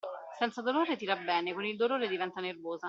Senza dolore tira bene, con il dolore diventa nervosa.